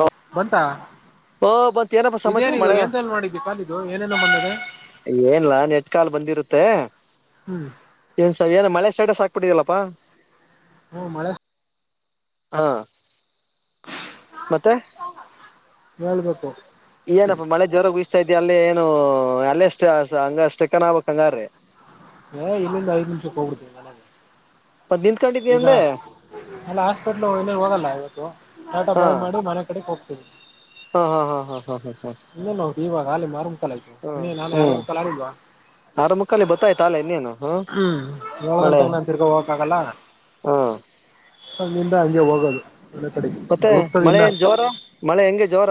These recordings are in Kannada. ಅ ಬಂತಾ [unintelligible] ಓ ಬಂತ ಏನಪ್ಪಾ ಸಮಾಚಾರ ಇದೇನಿ [unintelligible] ದು ಮಳೆ ಎನ್ಲ್ಲಿ ಮಾಡಿದ್ದಿ ಕಾಲಿದು ಏನೇನ ಮಂದದೆ ಏನ್ಲ್ಲಿನನ್ ನೇಟ್ ಕಾಲ್ ಬಂದಿರುತ್ತೆ. ಹ್ಮ್ ಮತ್ತ ಏನ್ ಏನು ಮಳೆ ಸ್ಟೇಟಸ್ ಹಾಕ್ಬಿಟ್ಟಿದಲ್ಲಪ್ಪಾ. ಹ್ಮ, ಮಳೆ ಹಾ, ಮತ್ತೆ ಹೇಳ್ಬೇಕು [unintelligible] ಏನಪ್ಪ ಮಳ ಜೋರಾಗಿ ಬಿಸ್ತಾಇದೆಯಾ. ಅಲ್ಲಿ ಏನು ಅಲ್ಲಷ್ಟ ಹಂಗ ಚೆಕ್ಕನ ಆಬ ಹಂಗಾರ್ರಿ [unintelligible] ಏ ಇಲ್ಲಿಂದ ಐದು ನಿಮಿಷಕ್ಕೆ ಹೋಗಬಿಡ್ತೀವಿ. ನನಗೆ- ಮತ್ ನಿಂತ್ಕೊಂಡಿದ್ಯ ಈಗ ಅಂದೆ ಅಲ್ಲ ಹಾಸ್ಪಿಟ್ಲ್ ಇಲ್ಲ ಹೋಗಲ್ಲ ಇವತ್ತು. ಟಾಟ ಹಾ ಬಾಯ್ ಮಾಡು ಮನೆ ಕಡೆಗೆ ಹೋಗ್ತೀವಿ. ಹಾ ಹಾ ಹಾ ಹಾ ಹಾ ಹಾ ಹಾ ಇ ನೋದು ಇವಾಗ ಹಾಲಿ ಮಾರು ಮುಕ್ಕಾಲ್ ಆಯ್ತು ಹ್ಮ್ ನೀ ನಾೆ ಆ [unintelligible] ರು ಹ್ಮ್ ಮುಕ್ಕಾಲ್ ಆಡಿವಾ ಆರ ಮುಕ್ಕಾಲ್ಲಿ ಗೊತ್ತಾಯ್ತ ಇನ್ನೇನು. ಹ ಹ್ಮ್, ಏಳ ಮಳೆ ಗಂಟೆಗೆ ನಾಞ ತಿರೃ ಹೋಗಕ್ ಆಗಲ್ಲ. ಹಾ ಅಲ್ಲಿಂದ ಹಂಗೆ ಹೋಗೋದು. ಮನೆ ಕಡೆಗೆ ಮತ್ತೆ ಹುಡುಕ್ತದೆ ಮಳೆ ಇನ್ನ ಏನ್ ಜೋರು ಮಳೆ ಹೆಂಗೆ ಜೋರ.,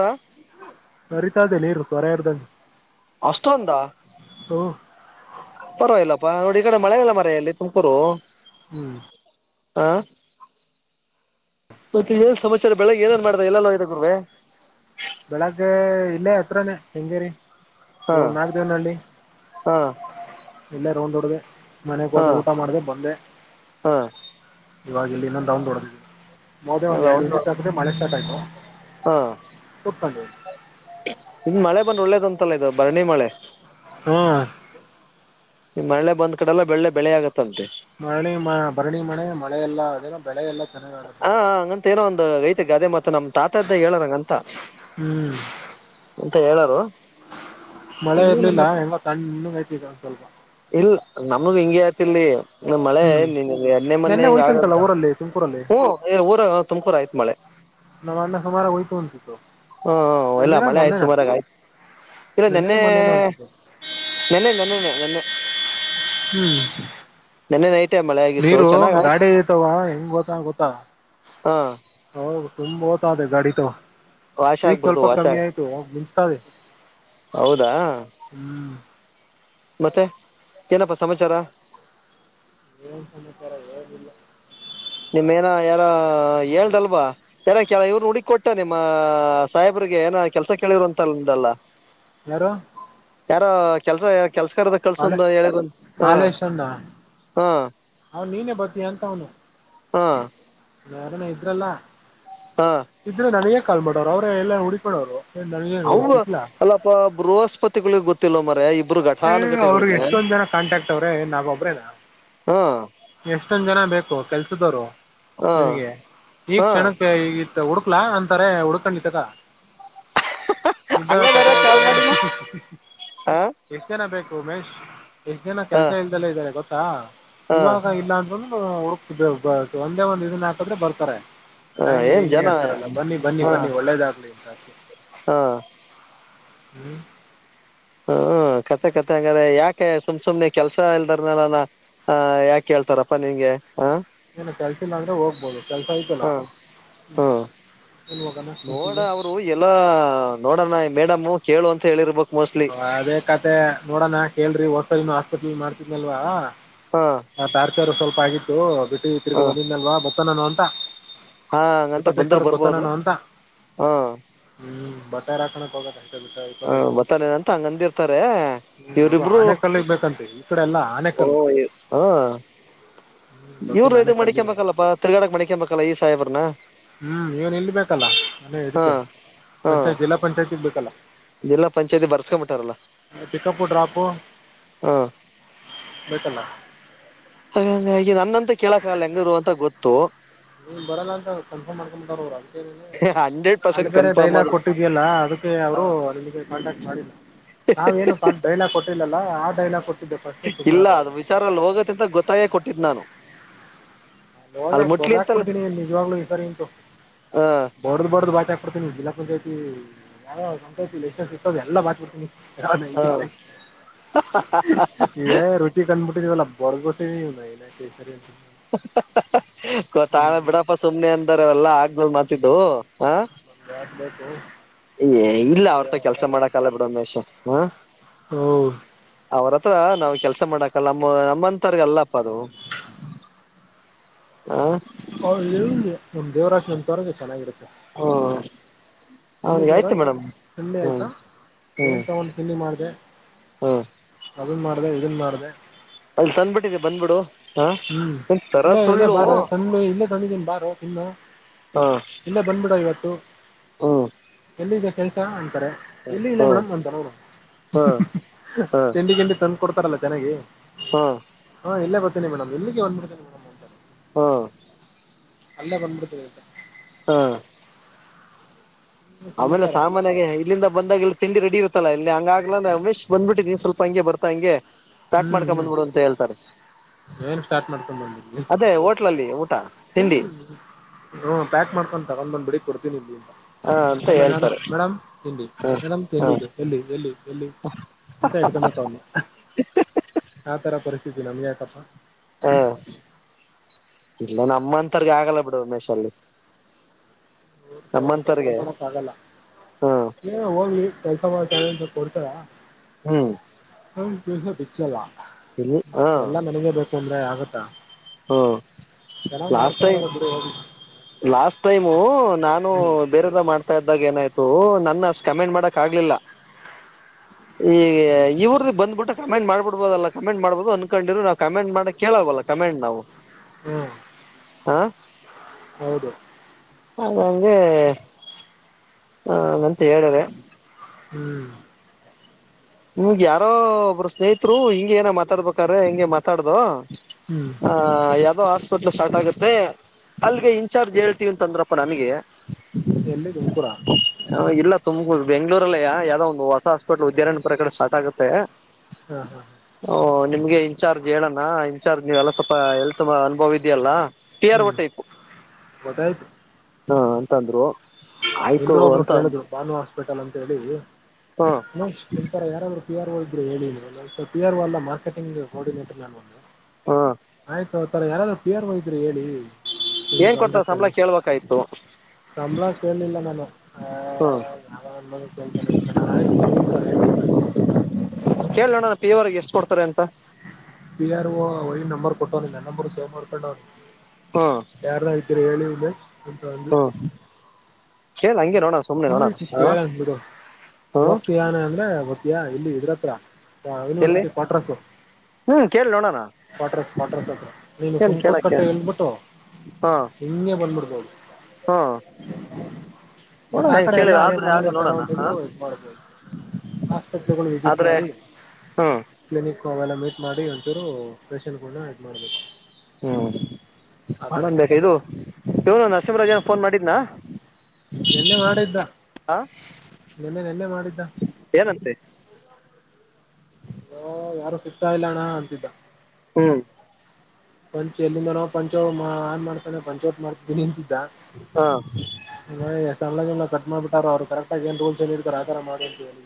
ಬರಿತಾದೆೇ ನೀರು ತೊರೆ ಅರ್ದಂಗ. ಅಷ್ಟೊಂದ ಪರವಾಗಿಲ್ಲಪ್ಪಾ ನೋಡಿ, ಈ ಕಡೆ ಮಳೆ ಇಲ್ಲ ಮಾರಾಯಇಲ್ಲಿ ತುಮಕೂರು. ಹ್ಮ್ [inaudible] ಹ [inaudible] ಮತ್ತೆ ಏನ್ ಸಮಾಚಾರ ಬೆಳಿಗ್ಗೆ ಏನೇನ್ ಮಾಡ್ದ ಎಲ್ಲಲ್ಲ ಇ [unintelligible] ಗುರ್ರುವೆ ಬೆಳಗ್ಗೆ ಇಲ್ಲೇ ಹತ್ರನೇ ಕೆಂಗೇರಿ ಹಾ ನಾಗ ದೇವ್ನಳ್ಳಿ. ಹಾ ಇಲ್ಲ ೊಂಡೊಡ್ದ [unintelligible] ಮನೆಗೆ ಹಾ ಹೋದೆ ಊಟ ಮಾಡಿದೆ ಬಂದೆ. ಹಾ ಇವಾಗ ಇಲ್ಲಿ ಇನ್ನೊಂದು ರೌಂಡ ಹೊಡದ್ದೆ ಹೋದೇ. ಒಂದು ಎರಡು ವಿಸಿಟ್ ಹಾಕ್ರೆ ಮಳೆ ಸ್ಟಾರ್ಟ ಆಯಿತು. ಹಾ, ಕುತ್ಕೊಂಡ್ವಿ ಇನ್ ಮಳೆ ಬಂದ ಒಳ್ಳೇದ್ಂತಲ್ಲ ಇದು ಬರಣಿ ಮಳೆ. ಹ್ಮ್, ಈ ಮಳೆ ಬಂದ್ ಕಡೆಲ್ಲ ಬೆಳ್ಳೆ ಬೆಳೆ ಆಗತ್ತೆ. ಮಳಿ ಮ ಭರಣಿ ಮನೆ ಮಳೆ ಎಲ್ಲ ಅದ ಬೆಳೆ ಎಲ್ಲ [unintelligible] ಹಾ, ಹ್ಹಂಗಂತ ಏನೋ ಒಂದು ರೈತೆ ಗಾದೆ ಮಾತ ನಮ್ ತಾತ ಇದ್ದಾಗ ಹೇಳರ್ಂಗಂತ. ಹ್ಮ [inaudible] ಮತ್ತ ಹೇಳರು [unintelligible] ಮಳೆ ಇರ್ಲಿಲ್ಲ ಹೆಂಗ ಕಣ್ಣ್ ಇನ್ನುಂಗ ಐತಿ ಒಂದ್ ಸ್ವಲ್ಪ. ಇಲ್ ನಮಗ್ ಹಿಂಗೆ ಆತಿಲ್ಲಿ. ನ ಮಳೆ ಹ್ಞೂ ನಿನ್ನೆ- ಮೊನೇ ನೆನ್ನೆ ಹಿಂಗ ಹೋಯ್ತಂತಲ್ಲ ಆಗ್ದ ಊರಲ್ಲಿ ತುಮಕೂರಲ್ಲಿ ಹ್ಮ್, ಊರ ತುಮಕೂರು ಆಯ್ತ್ ಮಳೆ. ನ ಮಾಡ್ಣ ಸಮಾರ ವಯತನ್ಂತತ್ತು [unintelligible] ಹ್ಮ, ಎಲ್ಲ ಮಳೆ ಆಯ್ತು ಸುಮಾರಾಗ ಆಯ್ತು ಇಲ್ಲ ನೆನ್ನೆನ ನಿನ್ನೆ. ಮೊನ್ನೆನ ಅನ್ಸಿತ್ತು ನೆನ್ನೆ ನನ್ನೆ ನನ್ನೆ [unintelligible] ಹ್ಮ್ ನೈಟೇ ಮಳೆ [inaudible] ಆಗಿತ್ತು ನೀರು ಚೆನ್ನಾಗ್ ಆಯ್ತು ಗಾಡಿ ಇತಾವ ಹೆಂಗ್ ಹೋತ್ತಾನಗೊತ್ತಾ, ಹಾ ಹೌ, ತುಂಬ ಓತದೆ ಗಾಡಿ ತವ ವಾಶ ಈಗ ಸ್ವಲ್ಪ ಆಗ್ಬಿಡ್ತು ವಾಶ ಕಮ್ಮಿ ಆಯ್ತು ಹೋಗ ಮಿಂಚ್ತದೆ. ಹೌದಾ, ಮತ್ತೆ ಏನಪ್ಪಾ ಸಮಾಚಾರ. ಏನ್ ಸಮಾಚಾರ ಹೇದಿಲ್ಲ [unintelligible] ನಿಮ್ಮೇನ ಯಾರ ಹೇಳ್ದಲ್ವಾ ಯಾರ ಕೆಲ ಇವ್ರ ಹುಡುಗ ಕೊಟ್ಟ ನಿಮ್ಮ ಸಾಹೇಬ್ರ ಏನ ಕೆಲಸ ಕೇಳಿರಂತಲ್ಲ ಯಾರೋ ಯಾರ ಕೆಲ್ಸ ಕೆಲ್ಸಕಾರದ ಕಳ್ಸಂದು ಹೇಳದ ಹ ಹಾ ಹ ನೀನೇ ಬತ ಅಂತ ಅವನು ಹಾ ಯಾರನ ಇದ್ರಲ್ಲ ಹಾ ಇದ್ರೆ ನನಗೇ ಕಾಲ್ ಮಾಡೋರು ಅವ್ರ ಎಲ್ಲ ಹುಡಕಳೋರು ಅವ ಅಲ್ಲಪ ಬೃಹಸ್ಪತಿಗಳಿಗೆ ಗೊತ್ತಿಿಲ್ಲವ ಮರ ಇಬ್ ಏ ಅವ್ರಿಗೆ ಎಷ್ಟೊಂದ್ ಜನ ಕಾಂಟ್ಯಾಕ್ಟ್ ಅವ್ರೆ ನಾವೊಬ್ರೇನಾ ಹಾ ಎಷ್ಟೊಂದ ಜನ ಬೇಕು ಕೆಲ್ಸದವರು ಹಾ ನಿಮಗೆ ಈ ಹಾ ಕ್ಷಣಕ್ಕೆ ಈ ಹುಡು ಹಕ್ಲಾ ಅಂತಾರೆ ಹಡ್ಕೊಂಡಲಿತದ ಇ ಕ ಹಂಗಂದಾರ ಕಾಲ್ ಮಾಡಿಲ್ಲ ಹ ಕ ಎಷ್ಟ ಜನ ಬೇಕು ಉ ಮೇಶ್ ಎಷ್ಟ್ ಜನ ಹ ಕೆಲ್ಸ ಇಲ್ದಲ್ಲೇ ಇದ್ದಾರೆ ಗೊತ್ತಾ ಹ ಇವಾಗ ಇಲ್ಲ ಅಂದರು ಹುಡುಕ್ತ ಒಂದೇ ಒಂದ್ ಇದನ್ನ ಹಾಕದ್ರೆ ಬರ್ತಾರೆ ಹ ಹಾಂಗೆ ಏನ್ ಹಿಂಗೆ ಜನ ಅಂತಾರಲ್ಲ ಬನ್ನಿ ಬನ್ನಿ ಹ ಬನ್ನಿ ಒಳ್ಳೇದಾಗ್ಲಿ ಅಂತ ಆಸೆ ಹಾ ಹ್ಮ್ ಹ್ಮ್ ಕತೆ ಕತೆ ಹಂಗಾದ್ರೆ ಯಾಕೆ ಸುಮ್ ಸುಮ್ನೆ ಕೆಲಸ ಇಲ್ದರ್ನ ಅ ಯಾಕೆೇಳ್ತಾರಪ್ಪ ನಿಗೆ ಹ ಏನು ಕೆಲ್ಸಿಲ್ಲ ಅಂದ್ರೆ ಹೋಗ್ಬೋದು ಕೆಲ್ಸ ಐ್ತಲ್ಲ ಹ್ಮ್ ಹ್ಮ್ ನೋಡ ಅವರು ಎಲ್ಲಾ ನೋಡಣ ಮೇಡಮ್ ಕೇಳು ಅಂತ ಹೇಳಿರ್ಬೇಕು ಹ ಅದೇ ಕತೆೆ ನೋಡೋಣ ಕೇಳ್ರಿ ಹೊರ್ಸಲ್ ಇನ್ನು ಆಸ್ಪತ್ರೆ ಮಾಡ್ತಿದ್ನಲ್ವಾ ಹಾ ಹ ತಾರ್ಚಾರ ಸ್ವಲ್ಪ ಆಗಿತ್ತು ಬಿಟ್ಟು ಹಾ ತಿರ್ಗಿ ಬಂದಿನಲ್ವಾ ಗೊತ್ತ ನಾನು ಅಂತ ಹಂಗಂತ ಇಪ್ಪತ್ತೈದು ಬಂದ್ರ ಸಾವಿರ ಬರ್ಬೋದು ಬೊತ್ತನಾನ ಅಂತ ಹಾ ಹ್ಮ್ ಬಟ್ಟಾರೆ ಹಾಕಣ ಇಪ್ಪಯ ಇಪ್ಪ ತಂಗಂದಿರ್ತಾರೆ ಇವರಿಬ್ಬರು ಆನೆಕಲ್ಲಿಗೆ ಬೇಕಂತೆ ಈ ಕಡೆ ಎಲ್ಲ ಆನೆಕಲ್ಲು ಹ ಹ್ಞೂ ಇವರು ಗೊತ್ತಿಲ್ಲ ಇ ಆನೆಕಲ್ಲಿಗೆ ಮಡಕೊಂಬಲ್ಲಪ್ಪಾ ತಿರ್ಗಾಡಕ್ ಮಡಕೊಬೇಕಲ್ಲ ಈ ಸಾಹೇಬ್ರನ್ನ ಹ್ಮ್ ಇವನ್ ಇಲ್ಬೇಕಲ್ಲ ನಾನೇ ಇದಡಕ್ಕೆ ಪಂಚಾಯತ್ ಜಿಲ್ಲಾ ಪಂಚಾಯತಿ ಎಲ್ಲ ಸಂಚಾಯತಿ ಬರ್ಸ್ಕೊಂಬಿಟ್ಟಾರಲ್ಲ ಪಿಕಪ್ಪು ಡ್ರಾಪು ಹಾ ಬೇಕಲ್ಲ ಈಗ ನನ್ನಂತ ಕೇಳಕ್ಕಾಗಲ್ಲ ಹೆಂಗರು ಅಂತ ಗೊತ್ತು ನೀ ಬರಲ್ಲ ಅಂತ ಕನ್ಫರ್ಮ್ ಮಾಡ್ಕೊತಾರ ಅವರು ಅಂತ ಹಂಡ್ರೆಡ್ ಅಲ್ಲಿ ಪರ್ಸೆಂಟ್ ಬೇರೆ ಕನ್ಫರ್ಮ್ ಡೈಲಾಗ್ ಅದು ಕೊಟ್ಟಿದ್ಯಲ್ಲ ಅದಕ್ಕೆ ಹ ಅವ್ರು ನಿಮಗೆ ಕಾಂಟ್ಯಾಕ್ಟ್ ಮಾಡಿಲ್ಲ ನಾವ್ೇನು ಡೈಲಾಗ್ ಕೊಟ್ಟಿಲ್ಲಲ್ಲ ಆ ಡೈಲಾಗ್ ಕೊಟ್ಟ ಇಲ್ಲ ಅದ ವಿಚಾರದಲ್ಲಿ ಹೋಗತ್ತ ಅಂತ ಗೊತ್ತಾಗೇ ಕೊಟ್ಟಿದ್ ನಾನು ಹೋದ್ರೆ ಅಲ್ಲಿ ಮುಟ್ಲಿ ಬಡದ ಹಾಕ್ಬ ಅಂತಲ್ಲ ಬಿಡ್ತೀನಿ ನಿಜ್ವಾಗ್ಲುೂ ಈ ಸಾರಿ ಉಂಟು ಹ ಬಡದ್ ಬಡ್ ಬಾ ಕೊಡ್ತೀನಿ ಜಿಲ್ಲಾ ಪಂಚಾಯತಿ ಯಾವ ಪಂಚಾಯತಿ ಲೈಸೆನ್ಸ್ ಇತ್ತದೆ ಎಲ್ಲ ಬಾಿಡ್ತೀನಿ ಹ ಇದ ರುಚಿ ಕಂಡ್ಬಿಟ್ಟ ಬೇಲ್ಲ ಬರ್ಗಸನನರಿ ಗೊತ್ತಾಗಲ್ಲ ಬಿಡಪ್ಪ ಸುಮ್ನೆ ಅಂದಾರ ಎಲ್ಲಾ ಆಗ್ ಮಾತಿದ್ದು ಹ ಬಂಗತಬೇಕ ತ ಇಲ್ಲ ಅವ್ರತ್ರ ಕೆಲ್ಸ ಮಾಡಕಲ್ಲ ಬಿಡ ಒಂದ್ ವಷ ಹಾ ಓ ಅವ್ರತ್ರ ನಾವ್ ಕೆಲ್ಸ ಮಾಡಕಲ್ಲ ನಮ್ಮ ನಮ್ಮಂತರ್ಗಲ್ಲಪ್ಪ ಅದು ಹಾ ಹಗೆ ಒಮ್ ದೇವರಾತ್ ನಂತವರಗೆ ಚೆನ್ನಾಗಿರುತ್ತೆ ಹ ಬನ್ನ ದೇವರಾಜ್ ಚ್ಣಿ ಆಯ್ತಾ ಏನ್ ಹ್ಮ್ ತಗೊಂಡ್ ಹಂಡಿ ಮಾಡಿದೆ ಹ್ಮ್ ಅದನ್ ಮಾಡಿದೆ ಇದನ್ ಮಾಡಿದೆ ಅಲ್ಲಿ ತಂದ್ಬಿಟ್ಟಿದೆ ಬಂದ್ಬಿಡು ಹ ಹ್ಮ್ ಒಂತರ ಇಲ್ಲೇ ಇಲ್ಲೇ ಸುಳ್ಳು ಬಾರ ತಂದ ಇಲ್ಲೇ ತಂದಿದ್ದೀನ್ರರೀ ಬಾರು ತಿನ್ನ ಹ ಹ್ಮ್ ಇಲ್ಲೇ ಬಂದ್ಬಿಡ ಇವತ್ತು ಹ್ಮ್ ಎಲ್ಲಿದೆ ಕೆೇಲ್ಸ ಅಂತಾರೆ ಎಲ್ಲಿ ಇಲ್ಲ ಹ್ಮ್ ಮೇಡಮ್ ನಂತಡ ಹ್ಮ್ ಹ್ಮ್ ತಿಂಡಿ ಗಂಡಿ ತ ಕೊಡ್ತಾರಲ್ಲ ಚೆನ್ನಾಗಿ ಹ್ಮ್ ಹಾ ಇಲ್ಲೇ ಬರ್ತೀನಿ ಮೇಡ್ ಇಲ್ಲಿಗೆ ಬಂದ್ಬಿಡ್ತೇನೆ ಮೇಡ್ಂತ ಹ್ಮ ಅಲ್ಲೇ ಬಂದ್ಬಿಡ್ತದೆಂತ ಹಾ ಏನ್ ಆಮೇಲೆ ಸಮಾಚಾರ ಸಾಮಾನ್ಯಾಗ ಇಲ್ಲಿಂದ ಬಂದಾಗಲ್ಲಿ ತಿಂಡಿ ರೆಡಿ ಇರುತ್ತಲ್ಲಾ ಅಲ್ಲಿ ಹಂಗಾಗ್ಲ ರಮೇಶ್ ಬಂದ್ಬಿಟ್ಟಿದ್ದ ನೀನ್ ಸ್ವಲ್ಪ ಹಂಗೆ ಬತಾಂಗೆ ಪ್ಯಾಕ್ ಹ್ಮ್ ಮಾಡ್ಕೊ ಹ್ಮ್ ಬಂದ್ಬಿಡು ಅಂತ ಹೇಳ್ತಾರೆ ಏನ್ ಸ್ಟಾರ್ಟ್ ಮಾಡ್ಕೊಂಡ್ ಬಂದಿವಿ ಅದೇ ಹೋಟ್ಲಲ್ಲಿ ಊಟ ತಿಂಡಿ ಹ್ಮ್ ಹ ಪ್ಯಾಕ್ ಮಾಡ್ಕೊಂಡ್ ತಗೊಂಡ್ ಬಂದ್ಬಿಡಿ ಕೊಡ್ತೀನಿ ನೀ ಹ ಅಂತ ಆಮೇಲೆ ನಾನು ಹೇಳ್ತಾರೆ ಮೇಡಮ್ ತಿಂಡಿ ಹ ಮೇಡಮ್ ತಿಂಡಿ ಹ ಇದೆ ಎಲ್ಲಿ ಎಲ್ಲಿ ಎಲ್ಲಿ ಅಂತ ಇಡ್ಕಬೇಕು ಅವ್ರ್ನ ಆ ತರ ಪರಿಸ್ಥಿತಿ ನಮ್ಗೆ ಯಾಕಪ್ಪ ಹಾ ಇಲ್ಲ ನಮ್ಮಂತರ್ಗ ಆಗಲ್ಲ ಬಿಡ ಉಮೇಶ ಅಲ್ಲಿ ಇವರ್ತಾವ ಕೆಲಸ ನಮ್ಮಂತರ್ಗೆ ಮಾಡಕ್ ಆಗಲ್ಲ ಹ ನೀ ಹೋಗ್ರರಿ ಅಂತ ಕೊಡ್ತದಾ [unintelligible] ಹ್ಮ್ ಹ ಪಿಚ್ಚ ಅಲ್ಲ ಇಲ್ಲಿ ಹ ಎಲ್ಲ ನನಗೆ ಬೇಕು ಅಂದ್ರೆ ಆಗತ್ತಾ ಹ ಚೆನ್ನಾಗ್ ಲಾಸ್ಟ್ ಮಾಡ್ಕೊಂಡು ಟೈಮ್ ಅವ್ರೆ ಬಿಡು, ಹೋಗ್ಲಿ ಲಾಸ್ಟ್ ಟೈಮು ನಾನು ಹ್ಮ್ ಬೇರೆದ ಮಾಡ್ತಾ ಇದ್ದಾಗ ಏನಾಯ್ತು ನನ್ನ ಅಷ್ಟು ಕಮೆಂಟ್ ಮಾಡಕ್ ಆಗ್ಲಿಲ್ಲ ಈ ಇವ್ರದ ಬಂದ್ಬಿಟ್ಟ ಕಮೆಂಟ್ ಮಾಡಬಹುದಲ್ಲ ಕಮೆಂಟ್ ಮಾಡಬಹದು ಅಂದನ್ಕೊಂಡಿರು ನವು ಕಮೆಂಟ್ ಮಾಡಕ್ ಕೇಳಲ್ವಲ್ಲ ಕಮೆಂಟ್ ನಾವು ಹ್ಮ್ ಹಾ ಹೌದು ಅಂಗಗೆ ಹ ಮಂತ ಹೇಳೆ ಹ್ಮ್ ನಿಮ್ಗೆ ಯಾರೋ ಒಬ್ಬರು ಸ್ನೇಹಿತರು ಹಿಂಗ ಏನ ಮಾತಾಡ್ಬೇಕ್ರ ಹಿಂಗೆ ಮಾತಾಡ್ದ ಹ್ಮ್ ಹ ಹಾಸ್ಪಿಟ್ಲ್ ಸ್ಟಾರ್ಟ್ ಆಗುತ್ತೆ ಅಲ್ಲಿಗೆ ಇನ್ಚಾರ್ಜ್ ಹೇಳ್ತೀವಿ ಅಂತ ಅಂದ್ರಪ್ಪ ನನಗೆ ಎಲ್ಲಿ ತುಮಕೂರ ಇಲ್ಲ ತು್ ಬೆಗಳೂರಲ್ಲಯ ಯಾವದೋ ಒಂದು ಹೊಸ ಹಾಸ್ಪಿಟಲ್ ವಿದ್ಯಾರಣ್ಯಪುರ ಕಡೆ ಸ್ಟಾರ್ಟ್ ಆಗುತ್ತೆ ಹಾ ಹಾ ಓ ನಿಮ್ಗೆ ಇನ್ಚಾರ್ಜ್ ಹೇಳಣ ರ ನೀವೆಎಲ್ಲ ಸ್ವಲ್ಪ ಹೆಲ್ತ್ ಅನುಭವ ಇದೆಯಲ್ಲ ಪಿ ಆರ್ ಒ ಹ್ಮ್ ಮತ್ತೆ ಹಾ ಅಂತಂದ್ರು ಆಯ್ತು ಎಲ್ಲೂ ಒಬ್ರು ಅಂತ ಕೇಳಿದ್ರು ಭಾನು ಹಾಸ್ಪಿಟಲ್ ಅಂತ ಹೇಳಿ ಹ್ಮ ಒಂತರ ಯಾರಾದರು ಪಿ ಆರ್ ಇದರು ಹೇಳ ಪಿ ಆರ್ ಎಲ್ಲ ಮಾರ್ಕೆಟಿಂಗ್ ಕೋಆರ್ಡಿನೇಟರ್ ನಾನ ಹ್ಮ್ ಒಆಯ್ತು ತ ಯಾರಾದ ಪಿಯರ್ ಮಾ [unintelligible] ಡ ಇದಿದ್ರರಿ ಹೇಳಿ ನಿಮ ಏನ್ ಕೊಡ್ತಾರ ಸಂಬಳ ಗಂಡಕ್ಕಲ್ಲಿ ಕೇಳ್ಬೇಕಾಯ್ತು ಸಂಬಳ ಕೇಳಲಿಲ್ಲ ನಾನು ಆ ಹ್ಮ್ ೇಳ್ತಾನ ನಾನನ್ ಆಯ್ು ಸರ್ ಉ ಸರ ಹೇಳ್ತೀಿ ಬಿಡಿ ಸರ್ ಣ ಪಿಯವರೆರಿಗೆ ಎಷ್ಟು ಪಿ ಆರ್ ಓ ನಂಂಬರ್ ಕೊಟ್ಟ ನನ್ನರು ಸೇನ್ ಮಾಡ್ಕೊಂಡವ್ಿ ಹ್ಮ್ ಯಾರ್ದ ಆಐತೀರಿ ಹೇಳಿ ಅಂತ್ತಾದ್ರೂ ಹ್ಮ್ ಕೇಳ ಹಂಗೆ ನೋಡೋಣ ಸುಮ್ನೆ ನೋಡೋಣ ಆಯ್ತು ಹ ಕೇಳಂದ ಬಿಿಡು ಹ್ಮ್ ಹೋಗ್ತಯಾನ ಅಂದ್ರೆ ಹೋಗ್ತಿಯಯ ಇಲ್ಲಿ ಇದ್ರತ್ರ ಎಲ್ಲಿ ಯೂನಿವರ್ಸಿಟಿ ಕ್ವಟ್ರಸು ಹ್ಮ್ ಕೇಳಿ ನೋಡೋಣ ಕ್ವಾಟ್ರಸ್ ಕ್ವಾಟ್ರಸ್ ಹತ್ರ ನೀನು ಏನ್ ಸುಂಕುತ್ ಕೇಳಕ್ಕೆ ಕಟ್ಟೆ ಎಲ್ಬಿಟ್ಟು ಹಾ ಹಿಂಗೆ ಬಂದ್ಬಿಡಬೋದು ಹ್ಮ್ ಬಟ್ ನೋಡೋಣ ಆ ಕಡೆ ಎಲ್ಲ ಕೇಳಿದ ಅದೇ ಆದ್ರೆ ಆಗ ನಮ್ಮನೆ ನೋಡೋಣ ಹ ಸರೌಂಡಿಂಗು ಇದ್ ಮಾಡ್ಬೋದು ಆಸ್ಪತ್ರೆಗಳು ವಿಸಿಟ್ ಆದ್ರೆ ಮಾಡಿ ಹ್ಮ್ ಕ್ಲಿನಿಕ್ ಅವೆಲ್ಲ ಮಿ ಮಾಡಿ ಒಂಥೂರು ಪೆಷನ್ಗಳ್ನ ಇದ್ ಮಾಡ್ಬೇಕು. ಹ್ಮ್ ಆತರ ಮಾಡ್ [unintelligible] ಇದು ಇವನು ನರಸಿಂಹರಾಜನ್ ಫೋನ್ ಮಾಡಿದ್ನ ನೆನ್ನೆ ಮಾಡಿದ್ದ ಹ ನೆನ್ನೆ ನೆನ್ನೆ ಮಾಡಿದ್ದ ಏನಂತೆ ಯೋ ಯಾರು ಸಿಗ್ತಾ ಇಲ್ಲ ಅಣ್ಣ ಅಂತಿದ್ದ ಹ್ಮ್ ಪಂಚ ಎಲ್ಲಿಂದನೊ ಪಂಚೊ ಆದ್ ಮಾಡ್ತಾನ ಪಂಚಾವತ್ ಮಾಡ್ತೀ ದ ಹ [unintelligible] ಕಟ್ ಮಾಡ್ಬಿಟ್ಟಾರ ಅವರು ಕರೆಕ್ಟ್ ಆಗಿ ಏನ್ ರೂಲ್ಸ್ ಹೇಳರ್ತಾರೆ ಆತರ ಮಾಡಿ ಅಂತ ಹೇಳಿ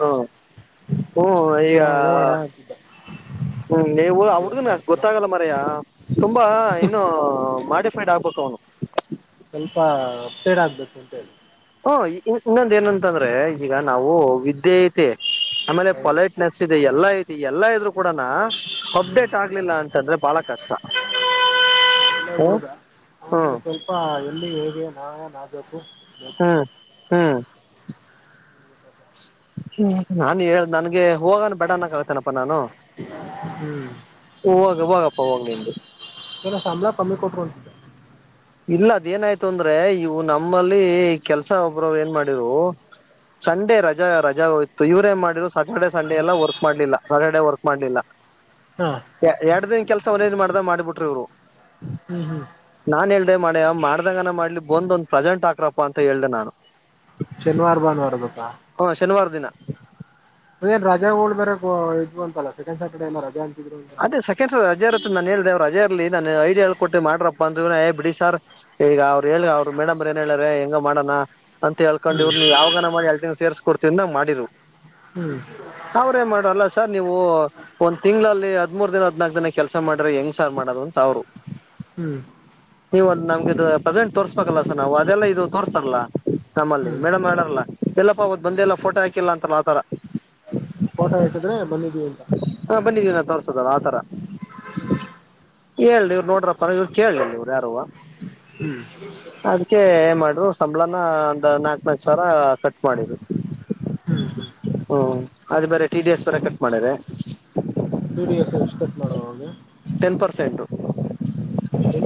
ಹ್ಮ ಹ್ಮ್ ಹ್ಞೂ ಈಯ ಅಣ್ಣ ಹ್ಞೂ ಅಣ್ಣ ಅಂತಿದ್ದ ಹ್ಮ್ ಎ ಆ ಏನ್ ಹುಡ್ಗನ್ ಅಷ್ಟ ಮಾಡ್ತಾನೋ ಗೊತ್ತಾಗಲ್ಲ ಮರಯ ತುಂಬಾ ಏನು ಮಾಡಿಫೈಡ್ ಆಡ್ ಬೇಕ್ ಅವ್ನು ಸ್ವಲ್ಪ ಅಪ್ಡೇಟೆಡ್ ಆಗ್ಬೇಕು ಅಂತ ಹೇಳಿ ಹ ಇ ಎ ಇನ್ನೊಂದ ಏನಂತಂದ್ರೆ ಈಗ ನಾವು ವಿದ್ಯೆ ಐತೆ ಆಮೇಲೆ ಹೌದು ಪೊಲೈಟ್ನೆಸ್ ಇದೆ ಎಲ್ಲಾ ಐತಿ ಎಲ್ಲಾ ಇದ್ರು ಕೂಡನಾ ಅಪ್ಡೇಟ್ ಹ್ಮ್ ಆಗ್ಲಿಲ್ಲ ಅಂತಂದ್ರೆ ಬಾಳ ಕಷ್ಟ ಎಲ್ಲೋ ಹ್ಮ್ ಹುಡುಗ ಅವಗೆ ಹ್ಮ್ ಸ್ವಲ್ಪ ಎಲ್ಲಿ ನಾ ನಾದಕ್ಕು ಹ್ಮ್ ಹ್ಮ್ ನಾನು ಹೇಳ್ದ ನನ್ಗೆ ಹೋಗಾನ ಬಡ ಅನಕತಿನಪ್ಪಾ ನಾನು ಹ್ಮ್ ಹೋಗ್ ಹೋಗಪ್ಪ ಹೋಗ್ ನಿಂದು ಏನೋ ಸಂಬಳ ಕಮ್ಮಿ ಕೊಟ್ಕೊಂತಿದ್ದ ಇಲ್ಲ ಅದ್ ಏನಾಯ್ತು ಅಂದ್ರೆ ಇವು ನಮ್ಮಲ್ಲಿ ಕೆಲ್ಸ ಒಬ್ರ ಏನ್ ಮಾಡಿವು. ಸಂಡೇ ರಜಾ ರಜಾಒಯ್ತು ಇವ್ರೇನ್ ಮಾಡಿದ್ರು ಸ್ಯಾಟರ್ಡೆೇ ಸಂಡೆ ಎಲ್ಲ ವರ್ಕ್ ಮಾಡ್ಲಿಲ್ಲ ಸಟರ್ಡೇ ವರ್ಕ್ ಮಾಡ್ಲಿಲ್ಲ ಹಾ ಎರಡ್ ದಿನ ಕೆಲ್ಸ ಒನೇನ್ ಮಾಡ್ದ ಮಾಡಿಬಿಟ್ರು ಇವ್ರು ಹ್ಮ್ ಹ್ಮ್ [unintelligible] ಮಾಡ್ಯ ಮಾಡ್ದಾಗನ ಮಾಡ್ಲಿ ಬಂದ್ ಒಂದು ಪ್ರಜೆಂಟ್ ಆಕ್ರಪ್ಪಾ ಅಂತ ಹೇಳ್ದೆ ನಾನು ಶನವಾರ ಬಾನವರದಕ ಹ [unintelligible] ಅ ಏನ್ ರಾಜ ಹೋಳ್ ಬೇರೆ ಇದ್ ಬಂತಲ್ಲ ಸೆಕಂಡ್ ಸ್ಯಾಟರ್ಡೇ ಎಲ್ಲಾ ರಜಾ ಅಂತಿದ್ರು ಅಂತಲ್ಲ ಅದೇ ಸಕೆಂಡ್ ಸರ್ ರಜಾರ್ರ್ತ್ ನಾನ್ ಹೇಳ್ದೆ ಅವರು ರಜಾರ್ಲ್ಲಿ ನನು ಐ ಹೇಳ್ಕೊಟ್ಟಿ ಮಾಡ್ರಪ್ಪ ಅಂದ ಏ ಬಿಡಿ ಸಾರ್ ಈಗ ಅವರು ಹೇಳಿ ಅವ್ರ ಮೇಡಂಬರ್ ಏನ್ ಹೇಳಾರೆ. ಗ ಮಾಡೋಣ ಅಂತ ಹೇಳ್ಕೊಂಡ್ ಇವ್ರು ನೀವು ಯಾವಾಗ ಮಾಡಿ ಎಲ್ [unintelligible] ಸೇರ್ಸ್ಕ [unintelligible] ಮಾಡಿರು ಹ್ಮ್ ಅವ್ರೇ ಮಾಡಲ್ಲ ಸರ್ ನೀವು ಒಂದ್ ತಿಂಗ್ಳಳ್ಳಿ ಮೂರ್ ದಿನ ಹದ್ನಾಲ್ಕ ದಿನ ಕೆಲಸ ಮಾಡ್ರೆ ಹೆಂಗ್ ಸಾರ್ ಮಾಡೋದು ಅಂತ ಅವ್ರು ಹ್ಮ್ ನೀವು ನಮ್ಗೆ ಇದು ಪ್ರೆಸೆಂಟ್ ತೋರ್ಸ್ಬೇಕಲ್ಲ ಸರ್ ನಾವು ಅದೆಲ್ಲ ಇದು ತೋರ್ಸ್ತಾರಲ್ಲಾ ನಮ್ಮಲ್ಲಿ ಹ್ಮ್ ಮೇಡಮ್ ಮಾಡಾರಲ್ಲ ಎಲ್ಲಪ್ಪ ಅವತ್ ಬಂದೆಲ್ಲ ಫೋಟೋ ಹಾಕಿಲ್ಲ ಅಂತನ್ ಆತರ ಫೋಟೋ ಇಟ್ಟಿದ್ರೆ ಬಂದೀವಿ ಅಂತ. ಹಾ [unintelligible] ಆತರ ಹೇಳಿ ಇವ್ರು ನೋಡ್ರಪ್ಪ ಇವ್ರು ಕೇಲಿಳ್ ಇವ್ರು ಯಾರುವ ಹ್ಮ್ ಅದಕ್ಕೆ ಏನ್ ಮಾಡ್ರು ಸಂಬಳನ ಒಂದು ನಾಕ ನಾಕ್ ಸಾವಿರ ಕಟ್ ಮಾಡಿದ್ರು ಹ್ಮ್ ಹ್ಮ್ ಹ್ಮ್ ಅದು ಬೇರೆ ಟಿ ಡಿ ಎಸ್ ಬೇರೆ ಕಟ್ ಮಾಡಿ ಪಿ ಡಿ ಎಫ್ ಎಸ್ಪಟ್ ಮಾಡುವಾಗ ಸೆಂಡು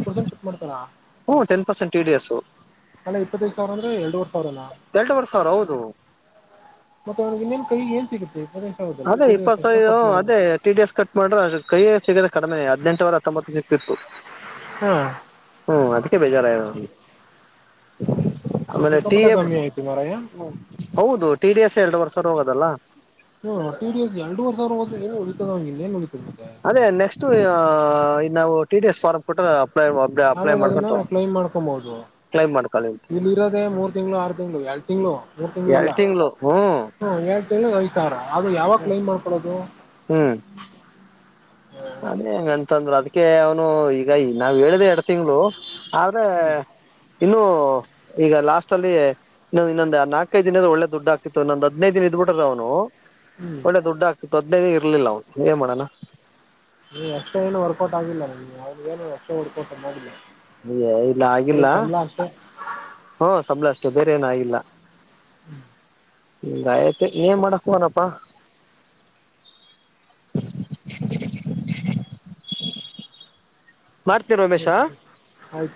ಪರ್ಸೆಂಟ್ ಕಟ್ ಮಾಡ್ತಾರಾ ಹು ಟೆನ್ ಪಸೆಂಟ್ ಟಿಡಿಎಸ್ಸು ಅಲ್ಲ ಇಪ್ಪತ್ತೈದು ಸಾವಿರ ಅಂದ್ರೆ ಎರಡ್ವರ್ ಸಾವಿರನ ಎರಡೂವರೆ ಸಾವಿರ ಹೌದು ಮತ್ತೆ ಅವನಿಗೆನ್ನೇನ್ ಕೈಗೆ ಸಿಗುತ್ತೆ ಇಪ್ಪತ್ತೈದು ಸಾವಿರದಲ್ಲಿ ಅದೇ ಟಿ ಡಿ ಎಸ್ ಇಪ್ಪತ್ ಸಾವಿ ಎಷ್ಟೋ ಇದು ಕಟ್ ಮಾಡಿದ್ರೆ ಅದೇ ಟಿ ಡಿ ಎಸ್ ಕಟ್ ಮಾಡ್ರ ಕೈಯ ಸಿಗ್ರೆ ಕಡಿಮೆ ಹದಿನಂಟವರ ಹತ್ತೊಂಬತ್ತು ಸಿಕ್ತಿತ್ತು ಹಾ ಹ್ಮ ಅದಕ್ಕೆ ಭಜ ಆಮೇಲೆ ಟಿ ಸಿಕ್ಕಾಪಟ್ಟೆ ಎ ಕಮ್ಮಿ ಆಯ್ತು ಮಾರಾಯ ಹೌದು ಟಿ ಡಿ ಎಸ್ ಎರಡು ವರ್ಷ ಹೋಗೋದಲ್ಲ ಇ ಎರಡು ವರ್ಷ ಸಾವರ ಹೋದ ಏನು ಉಳಿಕದಲ್ಲ ಏನ್ ಉಳಿಕರ್ ಮತ್ತ ಇ ನಾವು ಟಿ ಡಿ ಎಸ್ ಫಾರ್ ಕೊಟ್ರ ಆಮೇಲೆ ಅದನ್ನ ಕ್ಲೈಮ್ ಮಾಡ್ಕೊಬಹುದು ಕ್ಲೈಮ್ ಮಾಡ್ಕೊಳ್ಳಿ ಅಂತ ಇಲ್ಲಿ ಇರೋದೇ ಮೂರ್ ತಿಂಗಳು ಆರು ತಿಂಗಳು ಎರ ತಿಂಗಳು ಮೂರು ತಿಂಗಳು ಇಲ್ಲ ಎರಡ್ ಹ್ಮ್ ಹ್ಮ ಎಏಡು ತಿಂಳ ಐದು ಸಾವಿರ ಆದ್ರ ಯಾವಾಗ ಕ್ಲೈಮ್ ಮಾಡ್ಕೊೊಳ್ಳೋದು ಹ್ಮ್ ಅದೇ ಹೆಂಗಂತಂದ್ರರು ಅದಕ್ಕೆ ಅವನು ಈಗ ನಾವ್ ಹೇಳಿದೆ ಎರಡ್ ತಿಂಗಗಳು ಆದ್ರೆ ಹ್ಮ್ ಇನ್ನು ಈಗ ಲಾಸ್ಟ್ ಅಲ್ಲಿ ಇ ಇನ್ನೊಂದು ನಾಲ್ಕೈದು ದಿನದ ಒಳ್ಳೆ ದುಡ್ಡು ಆಾತಿತ್ತು ಇನ್ನೊಂದು ಹದ್ಿನೈದು ದಿನದು ಬಿಟ್ರ ಅವನು ಹ್ಮ್ ಒಳ್ಳೆ ದುಡ್ಡು ಹಾಕ್ತ ತೊದನೇದ ಇರ್ಲಿಲ್ಲ ಅವನು ಏನ್ ಮಾಡಣ ನೀ ಎಕ್ಟ್ರಾ ಏನು ವರ್ಕೌಟ್ ಆಗಿಲ್ಲ ಅವ್ಗಏನು ಎಸ್ಟ್ರಾ ವರ್ಕೌಟ್ ಮಾಡಿಲ್ಲ ಅ ಇಲ್ಲ ಆಗಿಲ್ಲ ಬರೀ ಸಂಬಳ ಅಷ್ಟೇ ಹ್ಮ ಸಬಳ ಅಷ್ಟೆ ಬೇರೆ ಏನು ಆಗಿಲ್ಲ ಹ್ಮ್ ಗಾಯತ್ ಏನ್ ಮಾಡಕ್ ಹನಪ್ಪಾ ಮಾಡ್ತೀರ ಉಮೇಶ ಆಯ್ತು